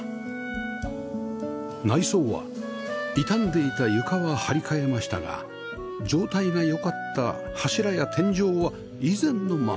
内装は傷んでいた床は張り替えましたが状態が良かった柱や天井は以前のまま